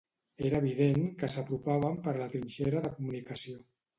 Era evident que s'apropaven per la trinxera de comunicació